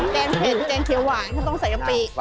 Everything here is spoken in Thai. แกงเผ็ดแกงเขียวหวานก็ต้องใส่กะปิ